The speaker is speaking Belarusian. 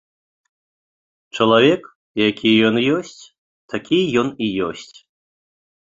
Чалавек які ён ёсць, такі ён і ёсць.